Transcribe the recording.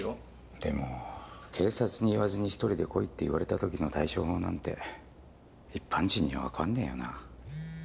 でも「警察に言わずに１人で来い」って言われた時の対処法なんて一般人には分かんねえよな。